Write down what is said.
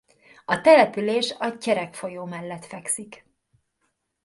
A település a Tyerek folyó mellett fekszik.